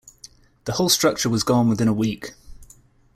The whole structure was gone within a week.